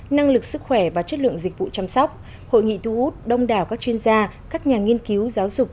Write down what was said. năng lực sức khỏe và chất lượng dịch vụ chăm sóc hội nghị thu hút đông đảo các chuyên gia các nhà nghiên cứu giáo dục